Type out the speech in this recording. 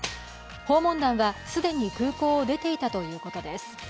訪問団は既に空港を出ていたということです。